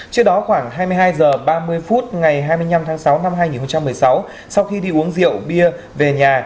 trước đó khoảng hai mươi hai h ba mươi phút ngày hai mươi năm tháng sáu năm hai nghìn một mươi sáu sau khi đi uống rượu bia về nhà